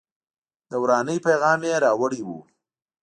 د ورانۍ پیغام یې راوړی و.